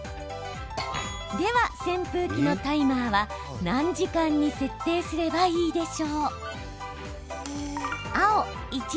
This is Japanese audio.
では扇風機のタイマーは何時間に設定すればいいでしょう？